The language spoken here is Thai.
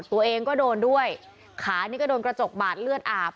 ตัวเองก็โดนด้วยขานี่ก็โดนกระจกบาดเลือดอาบ